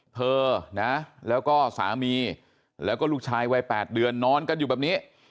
เธอนะแล้วก็สามีแล้วก็ลูกชายวัย๘เดือนนอนกันอยู่แบบนี้